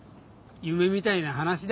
夢みたいな話だ。